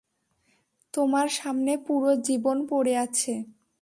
তোমার সামনে পুরো জীবন পড়ে আছে।